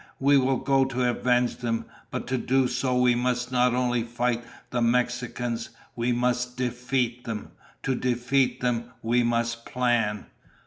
"We will go to avenge them, but to do so we must not only fight the Mexicans. We must defeat them. To defeat them, we must plan."